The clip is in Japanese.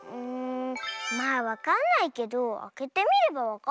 まあわかんないけどあけてみればわかるかなあ。